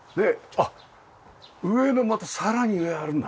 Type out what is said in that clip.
あっ上のまたさらに上あるんだ。